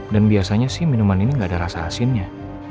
dan biasanya sih minuman ini gak ada rasa asinnya